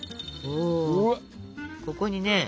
おここにね